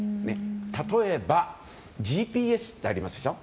例えばＧＰＳってありますでしょ。